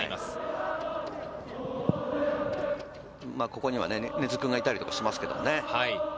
ここには根津君がいたりとかもしますけどね。